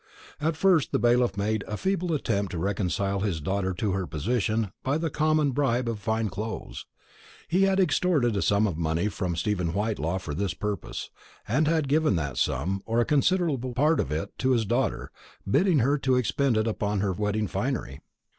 At first the bailiff had made a feeble attempt to reconcile his daughter to her position by the common bribe of fine clothes. He had extorted a sum of money from Stephen Whitelaw for this purpose, and had given that sum, or a considerable part of it, to his daughter, bidding her expend it upon her wedding finery.